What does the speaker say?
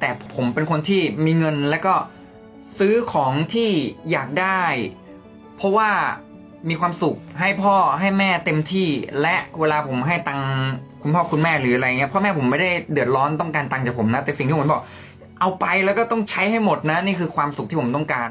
แต่ผมเป็นคนที่มีเงินแล้วก็ซื้อของที่อยากได้เพราะว่ามีความสุขให้พ่อให้แม่เต็มที่และเวลาผมให้ตังค์คุณพ่อคุณแม่หรืออะไรอย่างเงี้พ่อแม่ผมไม่ได้เดือดร้อนต้องการตังค์จากผมนะแต่สิ่งที่ผมบอกเอาไปแล้วก็ต้องใช้ให้หมดนะนี่คือความสุขที่ผมต้องการ